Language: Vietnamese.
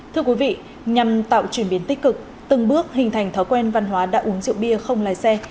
thưa quý vị nhằm tạo chuyển biến tích cực từng bước hình thành thói quen văn hóa đã uống rượu bia không lái xe